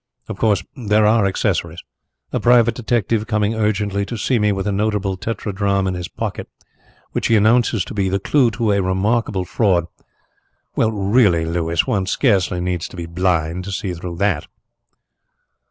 Of course, there are accessories. A private detective coming urgently to see me with a notable tetradrachm in his pocket, which he announces to be the clue to a remarkable fraud well, really, Louis, one scarcely needs to be blind to see through that."